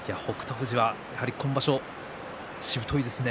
富士は、やはり今場所しぶといですね。